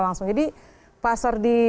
langsung jadi pasar di